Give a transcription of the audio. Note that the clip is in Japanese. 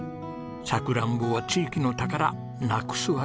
「さくらんぼは地域の宝なくすわけにはいかない」。